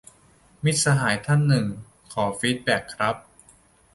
มิตรสหายท่านหนึ่ง : ขอฟีดแบ็กครับ